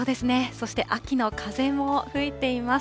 そして秋の風も吹いています。